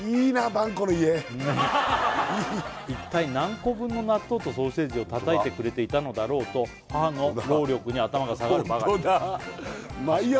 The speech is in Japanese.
ばん子の家いい一体何個分の納豆とソーセージをたたいてくれていたのだろうと母の労力に頭が下がるばかりホントだ！